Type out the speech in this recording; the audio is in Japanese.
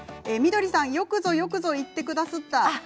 美都里さん、よくぞよくぞ言ってくださった。